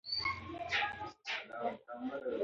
چار مغز د افغانستان د سیاسي جغرافیه برخه ده.